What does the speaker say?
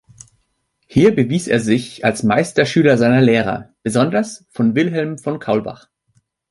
Hier bewies er sich als Meisterschüler seiner Lehrer, besonders von Wilhelm von Kaulbach.